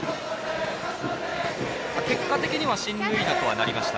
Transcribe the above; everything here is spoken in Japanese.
結果的には進塁打となりました。